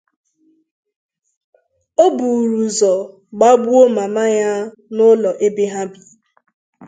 o buru ụzọ gbagbuo mama ya n’ụlọ ebe ha bi.